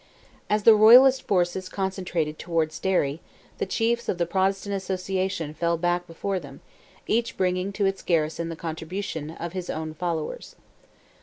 As the Royalist forces concentrated towards Derry, the chiefs of the Protestant Association fell back before them, each bringing to its garrison the contribution of his own followers.